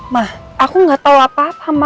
ma aku nggak tahu apa apa ma